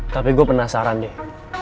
tapi gue penasaran deh